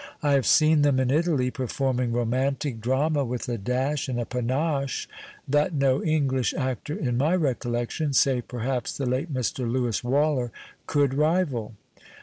I have seen them in Italy performing romantic drama with a dash and a panaclie that no English actor in my recollection (save, perhaps, the late Mr. Lewis Waller) could rival.